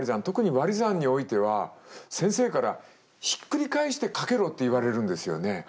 特に割り算においては先生からひっくり返して掛けろって言われるんですよね。